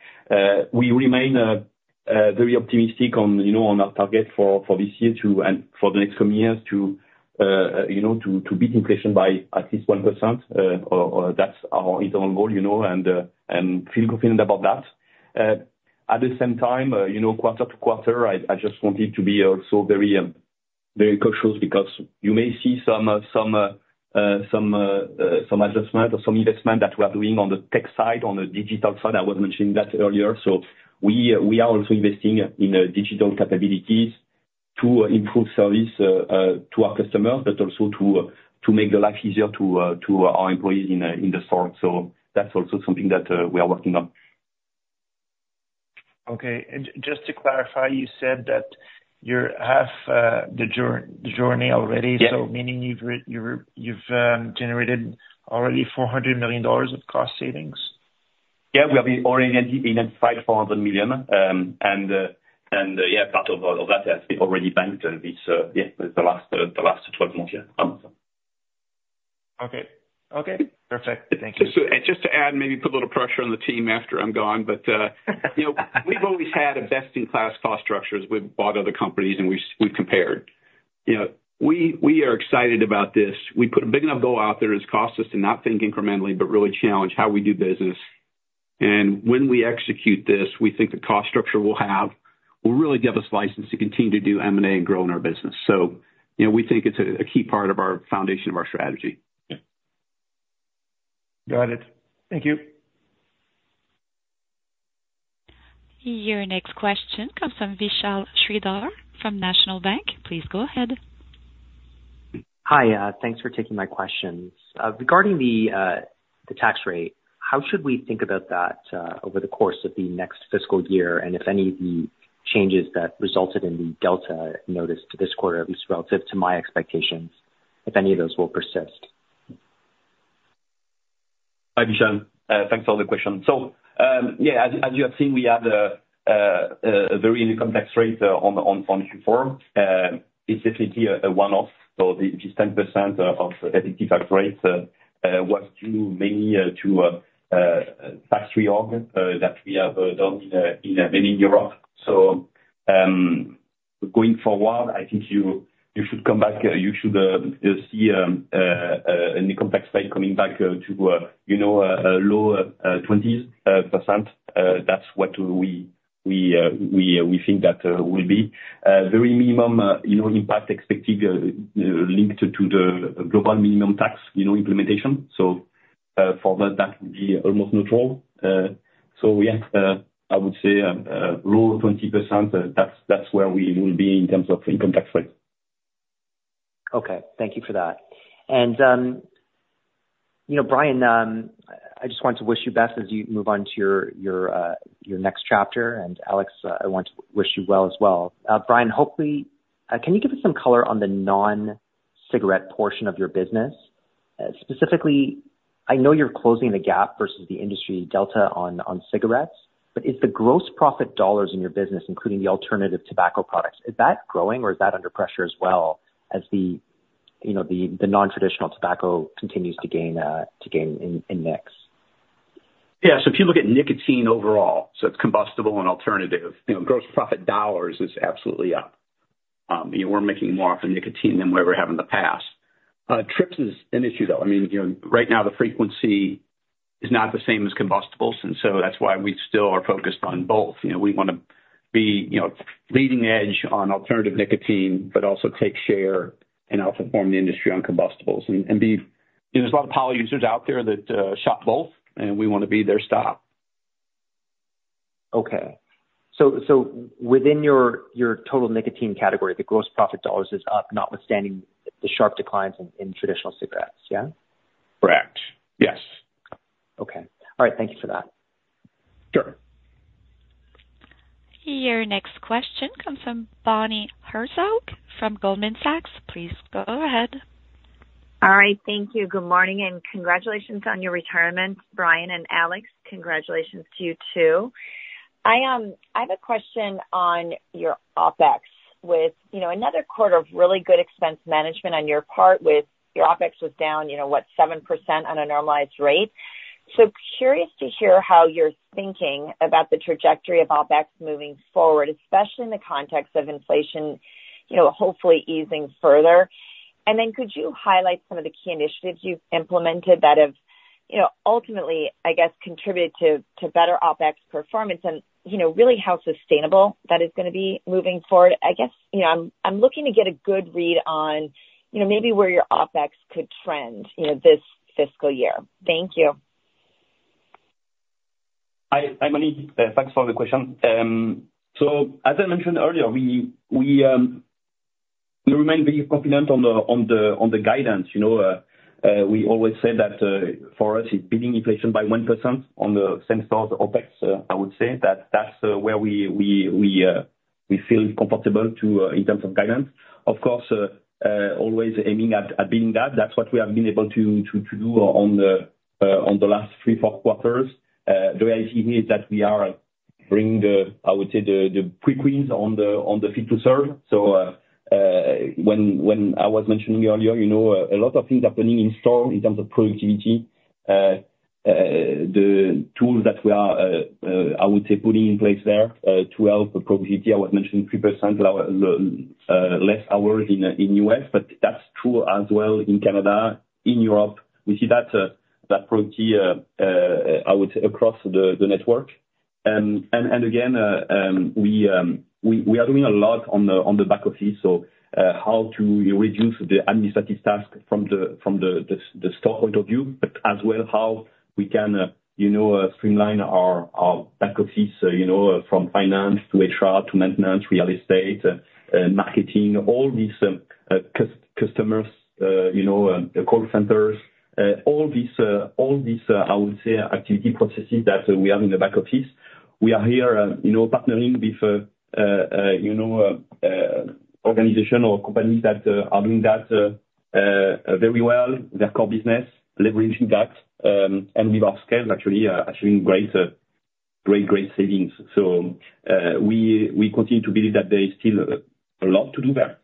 we remain very optimistic on, you know, on our target for this year to, and for the next coming years, to you know to beat inflation by at least 1%, or that's our internal goal, you know, and feel confident about that. At the same time, you know, quarter to quarter, I just wanted to be also very cautious, because you may see some adjustment or some investment that we are doing on the tech side, on the digital side. I was mentioning that earlier. So we are also investing in digital capabilities to improve service to our customers, but also to make the life easier to our employees in the store. So that's also something that we are working on. Okay. Just to clarify, you said that you're half the journey already? Yeah. So meaning you've generated already $400 million of cost savings? Yeah, we have already identified $400 million. And yeah, part of that has been already banked, and it's yeah, the last twelve months, yeah. Okay. Okay, perfect. Thank you. Just to add, maybe put a little pressure on the team after I'm gone, but you know, we've always had a best-in-class cost structures. We've bought other companies, and we've compared. You know, we are excited about this. We put a big enough goal out there that's caused us to not think incrementally, but really challenge how we do business. And when we execute this, we think the cost structure we'll have will really give us license to continue to do M&A and growing our business. So, you know, we think it's a key part of our foundation of our strategy. Got it. Thank you. Your next question comes from Vishal Shreedhar from National Bank. Please go ahead. Hi, thanks for taking my questions. Regarding the tax rate, how should we think about that over the course of the next fiscal year, and if any of the changes that resulted in the delta notice to this quarter, at least relative to my expectations, if any of those will persist? Hi, Vishal, thanks for the question. So, yeah, as you have seen, we had a very income tax rate on the Q4. This is indeed a one-off, so this is 10% of the effective tax rate was due mainly to tax reorg that we have done mainly in Europe. So, going forward, I think you should come back, you should see an income tax rate coming back to, you know, a low 20s%. That's what we think that will be. Very minimal, you know, impact expected linked to the global minimum tax, you know, implementation. So, for that, that would be almost neutral. So, yeah, I would say low 20%, that's, that's where we will be in terms of income tax rate. Okay. Thank you for that. And, you know, Brian, I just wanted to wish you best as you move on to your, your, your next chapter, and Alex, I want to wish you well as well. Brian, hopefully, can you give us some color on the non-cigarette portion of your business? Specifically, I know you're closing the gap versus the industry delta on, on cigarettes, but is the gross profit dollars in your business, including the alternative tobacco products, is that growing, or is that under pressure as well as the, you know, the, the non-traditional tobacco continues to gain, to gain in, in mix? Yeah, so if you look at nicotine overall, so it's combustible and alternative, you know, gross profit dollars is absolutely up. You know, we're making more off of nicotine than we ever have in the past. Trips is an issue, though. I mean, you know, right now, the frequency is not the same as combustibles, and so that's why we still are focused on both. You know, we wanna be, you know, leading edge on alternative nicotine, but also take share and outperform the industry on combustibles. And be... There's a lot of poly users out there that shop both, and we want to be their stop. Okay. So within your total nicotine category, the gross profit dollars is up, notwithstanding the sharp declines in traditional cigarettes, yeah? Correct. Yes. Okay. All right. Thank you for that. Sure. Your next question comes from Bonnie Herzog from Goldman Sachs. Please go ahead. All right, thank you. Good morning, and congratulations on your retirement, Brian and Alex, congratulations to you, too. I, I have a question on your OpEx with, you know, another quarter of really good expense management on your part with your OpEx was down, you know, what, 7% on a normalized rate. So curious to hear how you're thinking about the trajectory of OpEx moving forward, especially in the context of inflation, you know, hopefully easing further. And then could you highlight some of the key initiatives you've implemented that have, you know, ultimately, I guess, contributed to, to better OpEx performance? And, you know, really, how sustainable that is gonna be moving forward? I guess, you know, I'm, I'm looking to get a good read on, you know, maybe where your OpEx could trend, you know, this fiscal year. Thank you. Hi, Bonnie. Thanks for the question. So as I mentioned earlier, we remain very confident on the guidance, you know. We always say that for us, it's beating inflation by 1% on the same store as OpEx. I would say that that's where we feel comfortable to in terms of guidance. Of course, always aiming at being that, that's what we have been able to do on the last three, four quarters. The reality here is that we are bringing the, I would say, the on the feet to serve. So when I was mentioning earlier, you know, a lot of things happening in store in terms of productivity. The tools that we are, I would say, putting in place there, to help productivity. I was mentioning 3% lower, less hours in the U.S., but that's true as well in Canada, in Europe. We see that productivity, I would say, across the network. And again, we are doing a lot on the back office, so how to reduce the administrative task from the store point of view, but as well, how we can, you know, streamline our back office, you know, from finance to HR to maintenance, real estate, marketing, all these customers, you know, call centers, all these, I would say, activity processes that we have in the back office. We are here, you know, partnering with, you know, organization or companies that are doing that very well, their core business, leveraging that, and with our scale, actually great, great, great savings. So, we continue to believe that there is still a lot to do there.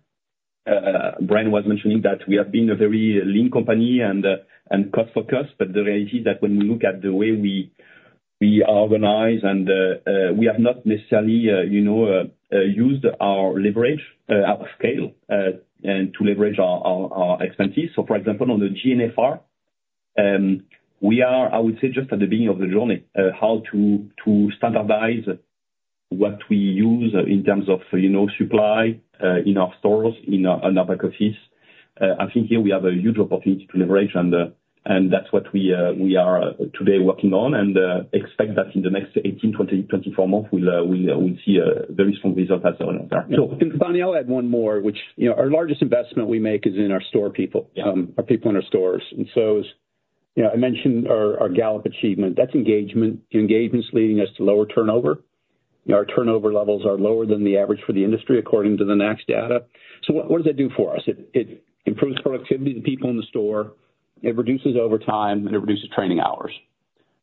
Brian was mentioning that we have been a very lean company and cost focused, but the reality is that when we look at the way we are organized and we have not necessarily, you know, used our leverage, our scale, and to leverage our expenses. So, for example, on the GNFR, we are, I would say, just at the beginning of the journey, how to standardize what we use in terms of, you know, supply in our stores, in our back office.I think here we have a huge opportunity to leverage, and that's what we are today working on, and expect that in the next 18, 20, 24 months, we'll see a very strong result as well. So, Bonnie, I'll add one more, which, you know, our largest investment we make is in our store people, our people in our stores. And so, as you know, I mentioned our, our Gallup achievement, that's engagement. Engagement's leading us to lower turnover. Our turnover levels are lower than the average for the industry, according to the NACS data. So what, what does that do for us? It, it improves productivity of the people in the store, it reduces overtime, and it reduces training hours.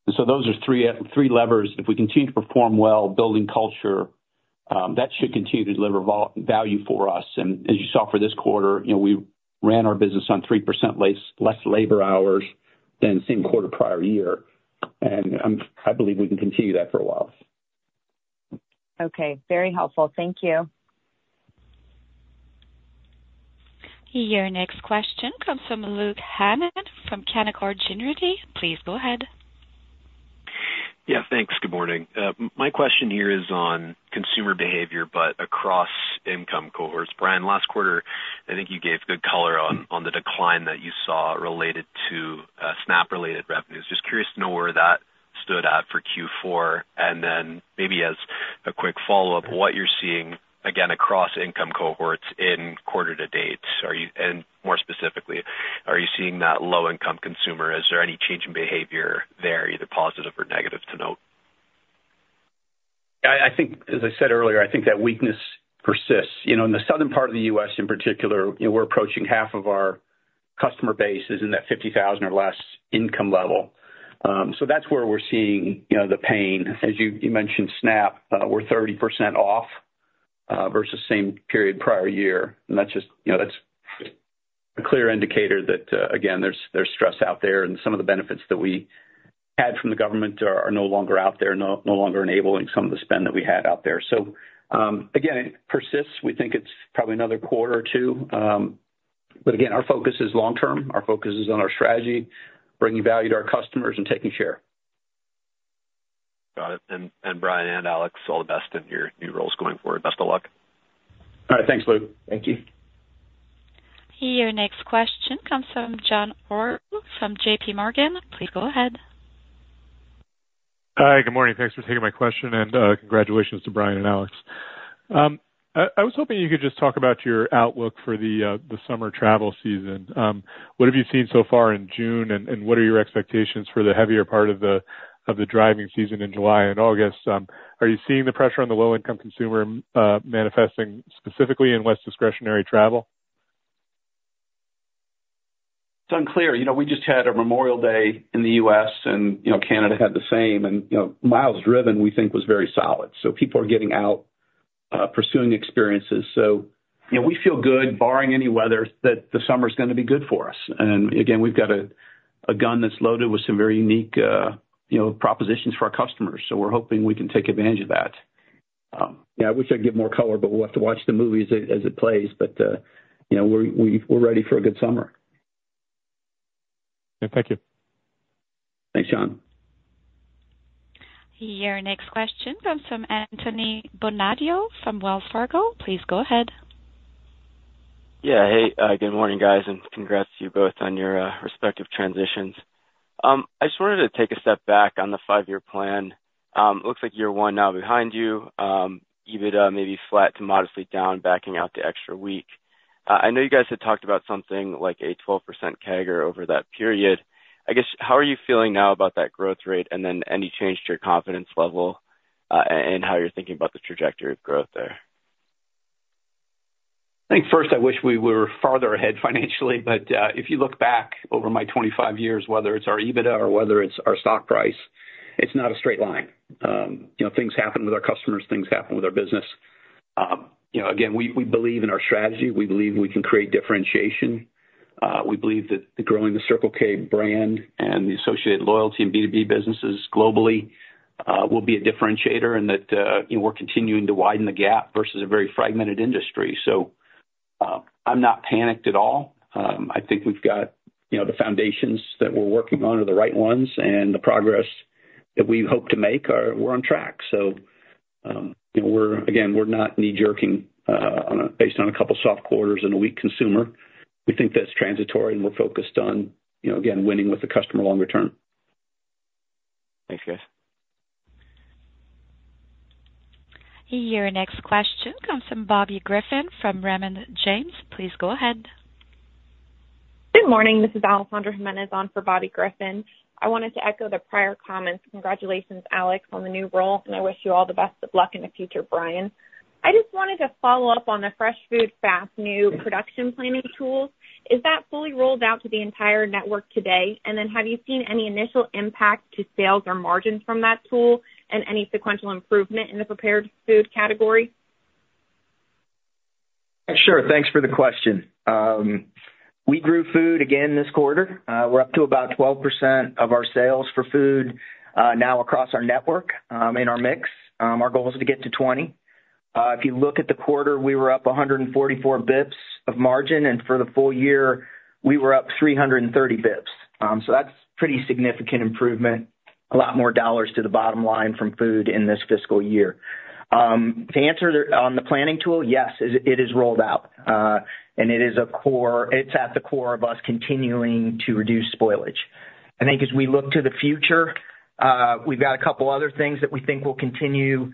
And so those are three, three levers. If we continue to perform well, building culture, that should continue to deliver value for us. And as you saw for this quarter, you know, we ran our business on 3% less labor hours than the same quarter prior year, and I believe we can continue that for a while. Okay, very helpful. Thank you. Your next question comes from Luke Hannan, from Canaccord Genuity. Please go ahead. Yeah, thanks. Good morning. My question here is on consumer behavior, but across income cohorts. Brian, last quarter, I think you gave good color on, on the decline that you saw related to SNAP-related revenues. Just curious to know where that stood at for Q4, and then maybe as a quick follow-up, what you're seeing, again, across income cohorts in quarter to date. Are you, and more specifically, are you seeing that low-income consumer? Is there any change in behavior there, either positive or negative to note? I think, as I said earlier, I think that weakness persists. You know, in the southern part of the U.S., in particular, you know, we're approaching half of our customer base is in that 50,000 or less income level. So that's where we're seeing, you know, the pain. As you mentioned, SNAP, we're 30% off versus same period prior year. And that's just... You know, that's a clear indicator that, again, there's stress out there, and some of the benefits that we had from the government are no longer out there, no longer enabling some of the spend that we had out there. So, again, it persists. We think it's probably another quarter or two, but again, our focus is long term. Our focus is on our strategy, bringing value to our customers, and taking share. Got it. And Brian and Alex, all the best in your new roles going forward. Best of luck. All right. Thanks, Luke. Thank you. Your next question comes from John O'Brien, from J.P. Morgan. Please go ahead. Hi, good morning. Thanks for taking my question, and congratulations to Brian and Alex. I was hoping you could just talk about your outlook for the summer travel season. What have you seen so far in June, and what are your expectations for the heavier part of the driving season in July and August? Are you seeing the pressure on the low-income consumer manifesting specifically in less discretionary travel? It's unclear. You know, we just had a Memorial Day in the U.S. and, you know, Canada had the same, and, you know, miles driven, we think, was very solid. So people are getting out, pursuing experiences. So, you know, we feel good, barring any weather, that the summer's gonna be good for us. And again, we've got a gun that's loaded with some very unique, you know, propositions for our customers, so we're hoping we can take advantage of that. Yeah, I wish I'd give more color, but we'll have to watch the movie as it plays. But, you know, we're ready for a good summer. Yeah. Thank you. Thanks, John. Your next question comes from Anthony Bonadio from Wells Fargo. Please go ahead. Yeah. Hey, good morning, guys, and congrats to you both on your respective transitions. I just wanted to take a step back on the five-year plan. Looks like year one now behind you, EBITDA may be flat to modestly down, backing out the extra week. I know you guys had talked about something like a 12% CAGR over that period. I guess, how are you feeling now about that growth rate, and then any change to your confidence level, and how you're thinking about the trajectory of growth there? I think first, I wish we were farther ahead financially, but if you look back over my 25 years, whether it's our EBITDA or whether it's our stock price, it's not a straight line. You know, things happen with our customers, things happen with our business. You know, again, we believe in our strategy. We believe we can create differentiation. We believe that growing the Circle K brand and the associated loyalty and B2B businesses globally will be a differentiator, and that you know, we're continuing to widen the gap versus a very fragmented industry. So, I'm not panicked at all. I think we've got... You know, the foundations that we're working on are the right ones, and the progress that we hope to make are, we're on track. So, you know, we're, again, we're not knee-jerking based on a couple soft quarters and a weak consumer. We think that's transitory, and we're focused on, you know, again, winning with the customer longer term. Thanks, guys. Your next question comes from Bobby Griffin, from Raymond James. Please go ahead. Good morning. This is Alessandra Jimenez on for Bobby Griffin. I wanted to echo the prior comments. Congratulations, Alex, on the new role, and I wish you all the best of luck in the future, Brian. I just wanted to follow up on the Fresh Food, Fast new production planning tool. Is that fully rolled out to the entire network today? And then, have you seen any initial impact to sales or margins from that tool, and any sequential improvement in the prepared food category? Sure. Thanks for the question. We grew food again this quarter. We're up to about 12% of our sales for food now across our network in our mix. Our goal is to get to 20%. If you look at the quarter, we were up 144 basis points of margin, and for the full year, we were up 330 basis points. So that's pretty significant improvement. A lot more dollars to the bottom line from food in this fiscal year. To answer on the planning tool, yes, it is rolled out, and it is a core... It's at the core of us continuing to reduce spoilage. I think as we look to the future, we've got a couple other things that we think will continue to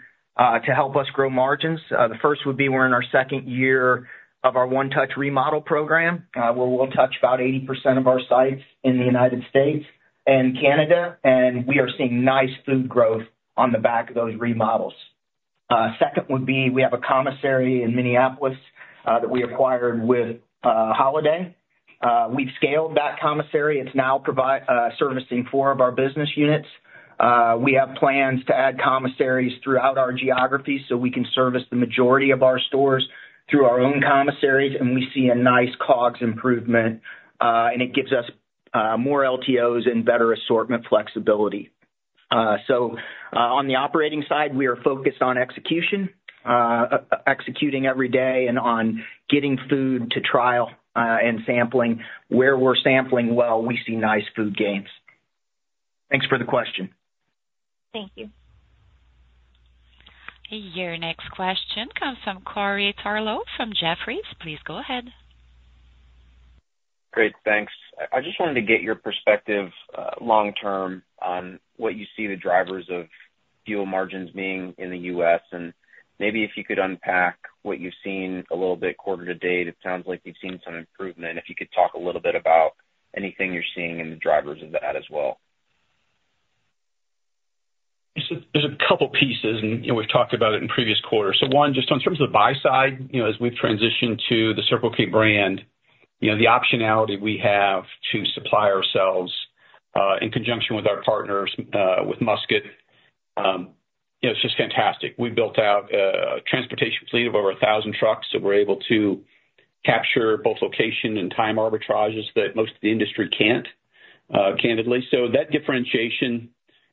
help us grow margins. The first would be we're in our second year of our One Touch remodel program, where we'll touch about 80% of our sites in the United States and Canada, and we are seeing nice food growth on the back of those remodels. Second would be, we have a commissary in Minneapolis that we acquired with Holiday. We've scaled that commissary. It's now servicing four of our business units. We have plans to add commissaries throughout our geography, so we can service the majority of our stores through our own commissaries, and we see a nice COGS improvement, and it gives us more LTOs and better assortment flexibility. So, on the operating side, we are focused on execution, executing every day and on getting food to trial and sampling. Where we're sampling well, we see nice food gains. Thanks for the question. Thank you. Your next question comes from Corey Tarlowe from Jefferies. Please go ahead. Great. Thanks. I, I just wanted to get your perspective, long term on what you see the drivers of fuel margins being in the U.S., and maybe if you could unpack what you've seen a little bit quarter to date. It sounds like you've seen some improvement. If you could talk a little bit about anything you're seeing in the drivers of that as well. There's a couple pieces, and, you know, we've talked about it in previous quarters. So one, just on terms of the buy side, you know, as we've transitioned to the Circle K brand, you know, the optionality we have to supply ourselves in conjunction with our partners with Musket, you know, it's just fantastic. We've built out a transportation fleet of over 1,000 trucks, so we're able to capture both location and time arbitrages that most of the industry can't, candidly. So that differentiation,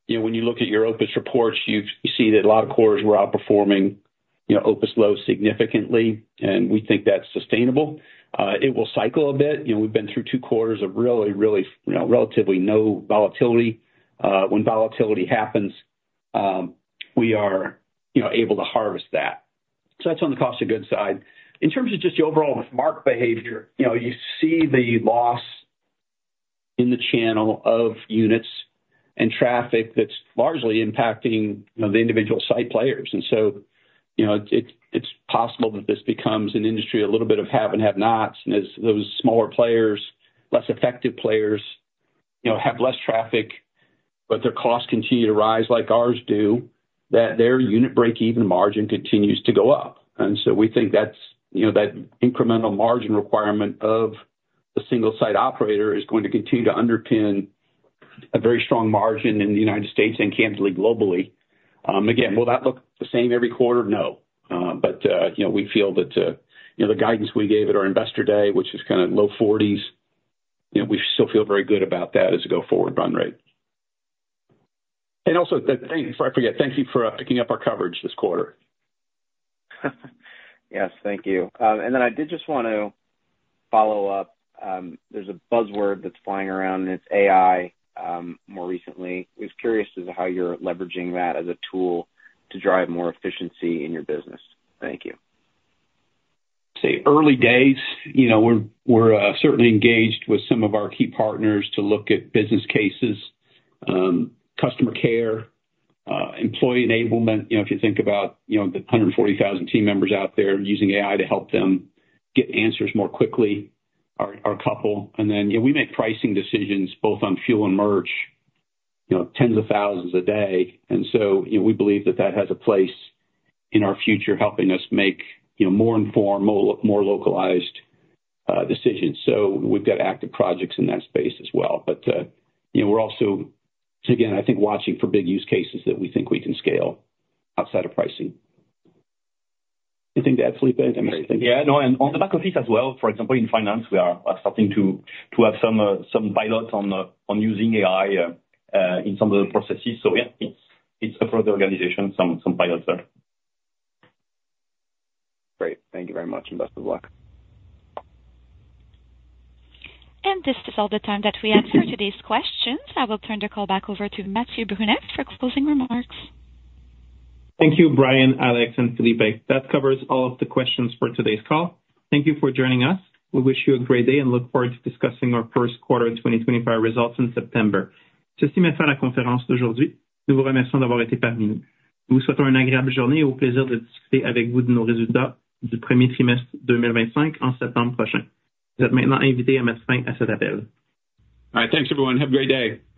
you know, when you look at your OPIS reports, you see that a lot of c-stores were outperforming OPIS Low significantly, and we think that's sustainable. It will cycle a bit. You know, we've been through two quarters of really, really, you know, relatively no volatility. When volatility happens, we are, you know, able to harvest that. So that's on the cost of goods side. In terms of just the overall market behavior, you know, you see the loss in the channel of units and traffic that's largely impacting, you know, the individual site players. And so, you know, it, it's possible that this becomes an industry, a little bit of have and have-nots. And as those smaller players, less effective players, you know, have less traffic, but their costs continue to rise like ours do, that their unit break-even margin continues to go up. And so we think that's, you know, that incremental margin requirement of the single site operator is going to continue to underpin a very strong margin in the United States and Canada, globally. Again, will that look the same every quarter? No. But, you know, we feel that, you know, the guidance we gave at our Investor Day, which is kind of low 40s... You know, we still feel very good about that as a go forward run rate. And also, before I forget, thank you for picking up our coverage this quarter. Yes. Thank you. And then I did just want to follow up. There's a buzzword that's flying around, and it's AI, more recently. I was curious as to how you're leveraging that as a tool to drive more efficiency in your business. Thank you. So, early days, you know, we're certainly engaged with some of our key partners to look at business cases, customer care, employee enablement. You know, if you think about, you know, the 140,000 team members out there using AI to help them get answers more quickly are a couple. And then, yeah, we make pricing decisions both on fuel and merch, you know, tens of thousands a day. And so, you know, we believe that that has a place in our future, helping us make, you know, more informed, more localized decisions. So we've got active projects in that space as well. But, you know, we're also, again, I think, watching for big use cases that we think we can scale outside of pricing. Anything to add, Felipe, I missed anything? Yeah, no, and on the back office as well, for example, in finance, we are starting to have some pilots on using AI in some of the processes. So yeah, it's across the organization, some pilots there. Great. Thank you very much, and best of luck. This is all the time that we have for today's questions. I will turn the call back over to Mathieu Brunet for closing remarks. Thank you, Brian, Alex, and Felipe. That covers all of the questions for today's call. Thank you for joining us. We wish you a great day and look forward to discussing our first quarter 2025 results in September. All right. Thanks, everyone. Have a great day.